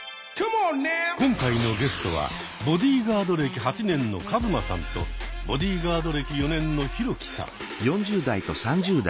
今回のゲストはボディーガード歴８年のカズマさんとボディーガード歴４年のヒロキさん。